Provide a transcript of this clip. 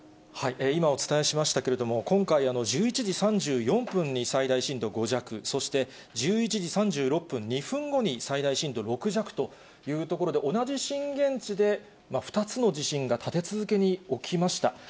今お伝えしましたけれども、今回、１１時３４分に最大震度５弱、そして１１時３６分、２分後に最大震度６弱というところで、同じ震源地で２つの地震が立て続けに起きました。